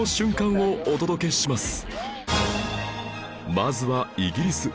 まずはイギリス